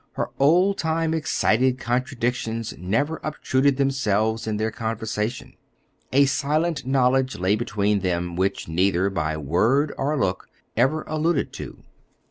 Her old time excited contradictions never obtruded themselves in their conversations. A silent knowledge lay between them which neither, by word or look, ever alluded to.